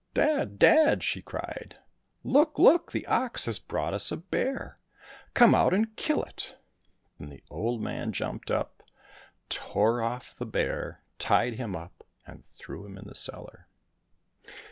" Dad, dad !" she cried, " look, look ! the ox has brought us a bear. Come out and kill it !" Then the old man jumped up, tore off the bear, tied him up, and threw him in the cellar.